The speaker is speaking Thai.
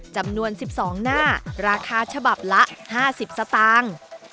จำนวน๑๒หน้าราคาฉบับละ๕๐สตางค์